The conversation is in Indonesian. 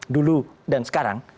dulu dan sekarang